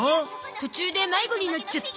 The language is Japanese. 途中で迷子になっちゃった。